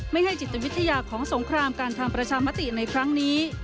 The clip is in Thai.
ไม่ให้จิตวิทยาของสงครามการทำประชามติในครั้งนี้